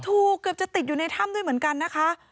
เกือบจะติดอยู่ในถ้ำด้วยเหมือนกันนะคะ